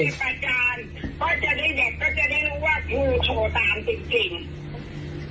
ก็จะได้เด็กก็จะได้รู้ว่าคุณโทรตามจริง